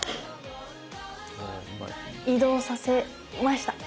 移動させました！